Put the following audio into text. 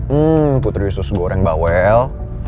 hmm putri susu goreng bawel